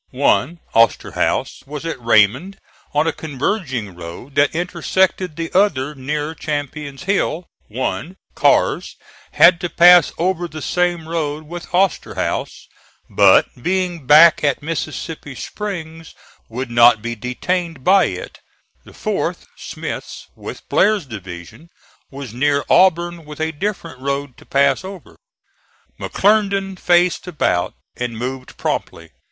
One (Osterhaus) was at Raymond, on a converging road that intersected the other near Champion's Hill; one (Carr's) had to pass over the same road with Osterhaus, but being back at Mississippi Springs, would not be detained by it; the fourth (Smith's) with Blair's division, was near Auburn with a different road to pass over. McClernand faced about and moved promptly.